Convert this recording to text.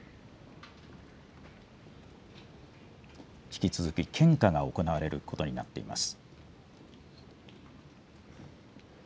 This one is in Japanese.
引き続き献花が行われることになっています。